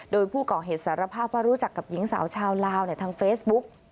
โดยผู้ก่อเหตุสารภาพว่ารู้จักกับหญิงสาวชาวลาวทางเฟซบุ๊ก